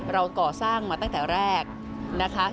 เราก่อสร้างมาตั้งแต่แรกนะคะ